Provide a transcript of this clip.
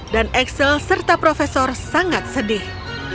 dan axel serta profesor sangat sedih